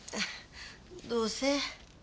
どうせ。